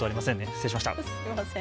失礼しました。